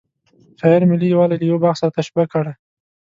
شاعر ملي یوالی له یوه باغ سره تشبه کړی.